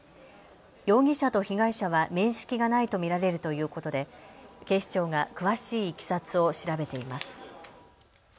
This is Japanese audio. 容疑者と被害者は面識がないと見られるということで警視庁が詳しいいきさつを調べています。